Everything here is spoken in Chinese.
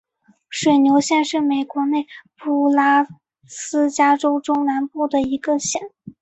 水牛县是美国内布拉斯加州中南部的一个县。